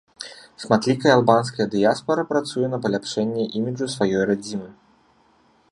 Шматлікая албанская дыяспара працуе на паляпшэнне іміджу сваёй радзімы.